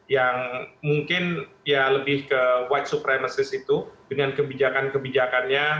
yang mungkin ya lebih ke white supremasis itu dengan kebijakan kebijakannya